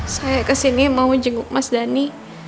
saya kesini mau jenguk mas dhani